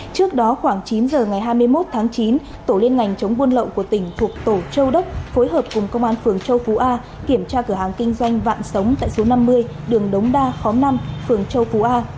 trước đó khoảng chín giờ ngày hai mươi một tháng chín tổ liên ngành chống buôn lậu của tỉnh thuộc tổ châu đốc phối hợp cùng công an phường châu phú a kiểm tra cửa hàng kinh doanh vạn sống tại số năm mươi đường đống đa khóm năm phường châu phú a